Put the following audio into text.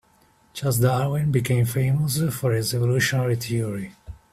Charles Darwin became famous for his evolutionary theory.